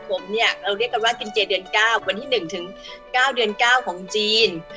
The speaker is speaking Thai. เราเรียกจัดว่ากินเจลเดือน๙วันที่๑๙เดือน๙ปีของจีน